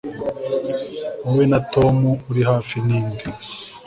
wowe na tom uri hafi ni nde